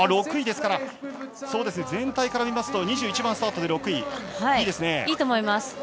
６位ですから全体から見ますと２１番スタートで６位はいいです。